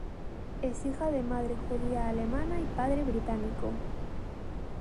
Es hija de madre judía alemana y padre británico.